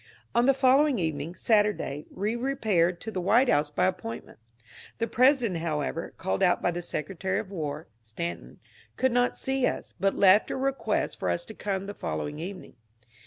On the following evening, Saturday, we repaired to the White House by appointment. The President, however, called out by the Secretary of War (Stanton), could not see us, but left a request for us to come the following evening.